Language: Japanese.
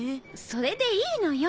それでいいのよ。